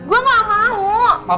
gue gak mau